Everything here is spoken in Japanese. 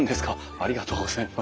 ありがとうございます。